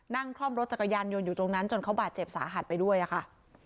คล่อมรถจักรยานยนต์อยู่ตรงนั้นจนเขาบาดเจ็บสาหัสไปด้วยอะค่ะ